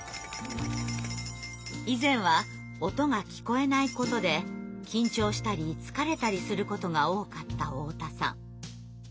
以前は音が聞こえないことで緊張したり疲れたりすることが多かった太田さん。